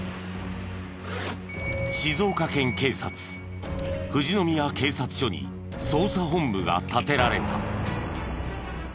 静岡県警察富士宮警察署に捜査本部が立てられた。